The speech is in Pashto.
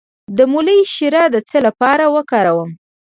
د مولی شیره د څه لپاره وکاروم؟